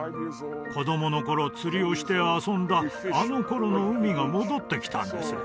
子供の頃釣りをして遊んだあの頃の海が戻ってきたんです